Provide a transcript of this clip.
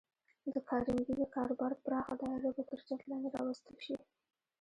د کارنګي د کاروبار پراخه دایره به تر چت لاندې راوستل شي